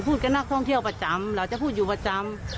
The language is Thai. กับนักท่องเที่ยวประจำเราจะพูดอยู่ประจำ